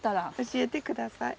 教えて下さい。